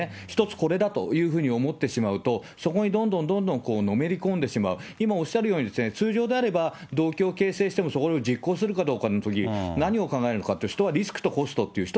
一つこれだというふうに思ってしまうと、そこにどんどんどんどんのめり込んでしまう、今おっしゃるように、通常であれば、動機を形成してもそこを実行するかのとき、何を考えるかって、人はリスクとコストって。